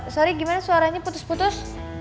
sorry gimana suaranya putus putus